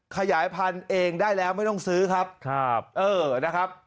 ขยายพันธุ์เองได้แล้วไม่ต้องซื้อครับครับเออนะครับ